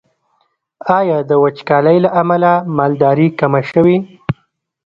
آیا د وچکالۍ له امله مالداري کمه شوې؟